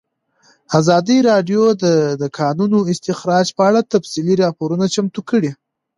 ازادي راډیو د د کانونو استخراج په اړه تفصیلي راپور چمتو کړی.